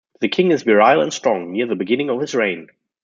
The king is virile and strong, near the beginning of his reign.